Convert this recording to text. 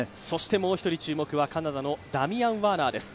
もう一人注目はカナダのダミアン・ワーナーです。